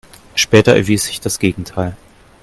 Später erwies sich das Gegenteil.